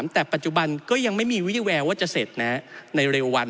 แต่ปัจจุบันก็ยังไม่มีวิแววว่าจะเสร็จในเร็ววัน